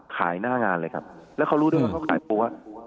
ขายหน้างานเลยครับแล้วเขารู้ด้วยว่าเขาขายปั้ว